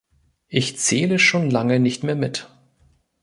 Ich zähle schon lange nicht mehr mit.